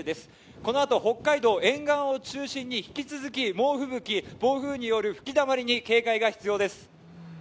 このあと北海道沿岸を中心に引き続き猛吹雪、暴風による吹きだまりに警戒が必要です。